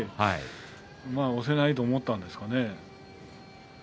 押せないと思ったんですかね。